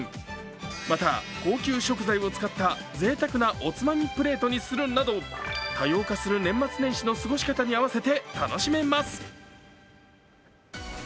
また高級食材を使ったぜいたくなおつまみプレートにするなど多様化する年末年始の過ごし方に合わせて楽しめます。